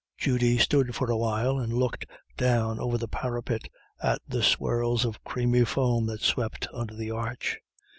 Judy stood for a while and looked down over the parapet at the swirls of creamy foam that swept under the arch.